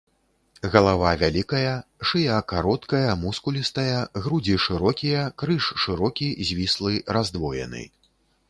Галава вялікая, шыя кароткая, мускулістая, грудзі шырокія, крыж шырокі, звіслы, раздвоены.